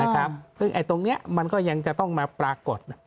ซึ่งตรงนี้มันก็ยังจะต้องมาปรากฏ